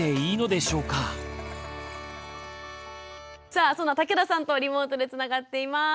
さあその竹田さんとリモートでつながっています。